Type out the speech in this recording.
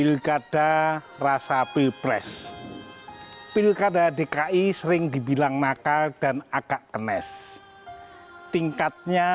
pilkada rasa pilpres pilkada dki sering dibilang nakal dan agak kenes tingkatnya